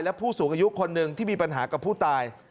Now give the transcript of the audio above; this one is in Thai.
และผู้สูงอายุคนหนึ่งที่มีปัญหากับผู้ตาย